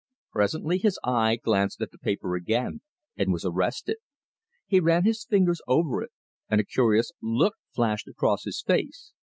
Presently his eye glanced at the paper again, and was arrested. He ran his fingers over it, and a curious look flashed across his face.